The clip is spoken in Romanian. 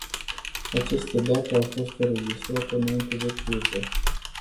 Aceste date au fost înregistrate înainte de criză.